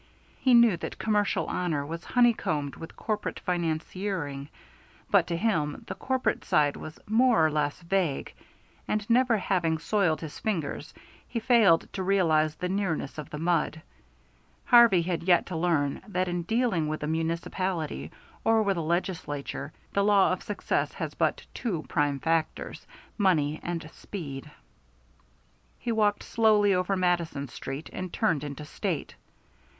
He knew that commercial honor was honeycombed with corrupt financiering, but to him the corrupt side was more or less vague, and never having soiled his fingers he failed to realize the nearness of the mud. Harvey had yet to learn that in dealing with a municipality or with a legislature, the law of success has but two prime factors, money and speed. He walked slowly over Madison Street and turned into State.